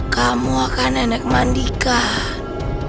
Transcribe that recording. kamu akan nenek mandikan